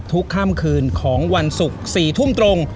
ทุกค่ำคืนของวันศุกร์๑๐น